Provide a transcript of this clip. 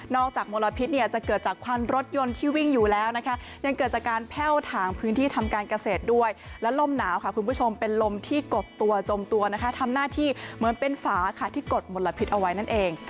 จากมลพิษเนี่ยจะเกิดจากควันรถยนต์ที่วิ่งอยู่แล้วนะคะยังเกิดจากการแพ่วถางพื้นที่ทำการเกษตรด้วยและลมหนาวค่ะคุณผู้ชมเป็นลมที่กดตัวจมตัวนะคะทำหน้าที่เหมือนเป็นฝาค่ะที่กดมลพิษเอาไว้นั่นเอง